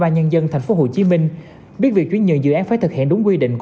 ban nhân dân thành phố hồ chí minh biết việc chuyển nhượng dự án phải thực hiện đúng quy định